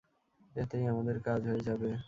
এতেই আমাদের কাজ হয়ে যাবে।